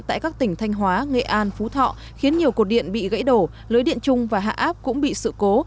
tại các tỉnh thanh hóa nghệ an phú thọ khiến nhiều cột điện bị gãy đổ lưới điện chung và hạ áp cũng bị sự cố